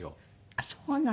あっそうなの。